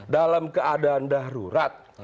dalam keadaan darurat